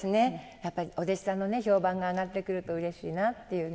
やっぱりお弟子さんの評判が上がってくるとうれしいなっていうね。